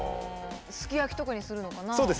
すき焼きとかにするのかな？